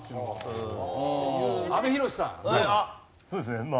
そうですね